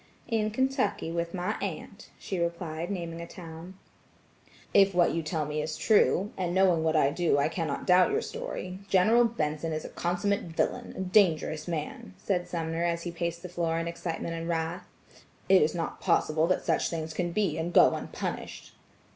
"In Kentucky with my aunt," she replied naming a town. "If what you tell me is true, and knowing what I do, I cannot doubt your story, General Benson is a consummate villain, a dangerous man," said Sumner as he paced the floor in excitement and wrath. "It is not possible that such things can be and go unpunished."